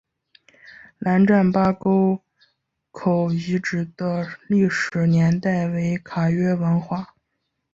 兰占巴沟口遗址的历史年代为卡约文化。